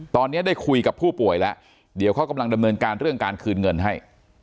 ตอนนี้ได้คุยกับผู้ป่วยแล้วเดี๋ยวเขากำลังดำเนินการเรื่องการคืนเงินให้